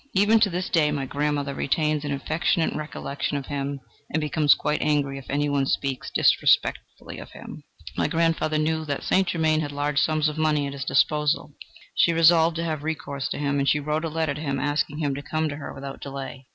Even to this day my grandmother retains an affectionate recollection of him, and becomes quite angry if any one speaks disrespectfully of him. My grandmother knew that St. Germain had large sums of money at his disposal. She resolved to have recourse to him, and she wrote a letter to him asking him to come to her without delay.